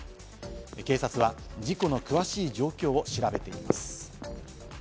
警察は事故の詳しい状況を調べています。